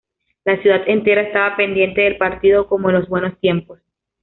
La ciudad entera estaba pendiente del partido, como en los buenos tiempos.